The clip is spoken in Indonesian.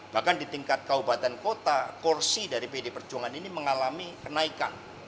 bahkan di tingkat kabupaten kota kursi dari pd perjuangan ini mengalami kenaikan